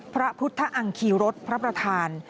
พระพุทธอังคีรสพระประธาน